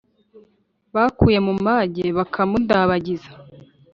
bakuye mu mage bakamudabagiza;